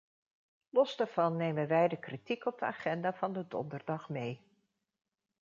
Los daarvan nemen wij de kritiek op de agenda van de donderdag mee.